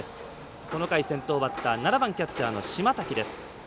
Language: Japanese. この回の先頭バッター７番キャッチャーの島瀧です。